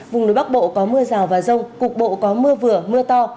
vùng núi bắc bộ có mưa rào và rông cục bộ có mưa vừa mưa to